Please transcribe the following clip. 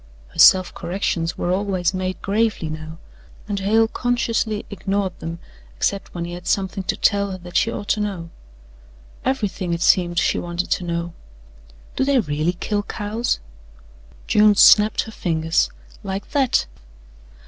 Her self corrections were always made gravely now, and Hale consciously ignored them except when he had something to tell her that she ought to know. Everything, it seemed, she wanted to know. "Do they really kill cows?" June snapped her fingers: "Like that.